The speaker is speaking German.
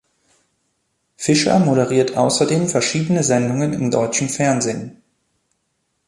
Fischer moderiert außerdem verschiedene Sendungen im deutschen Fernsehen.